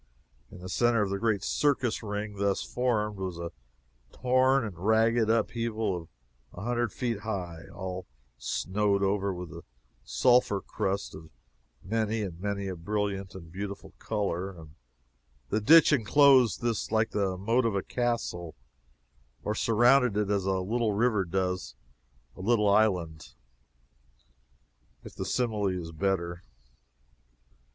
In the centre of the great circus ring thus formed, was a torn and ragged upheaval a hundred feet high, all snowed over with a sulphur crust of many and many a brilliant and beautiful color, and the ditch inclosed this like the moat of a castle, or surrounded it as a little river does a little island, if the simile is better.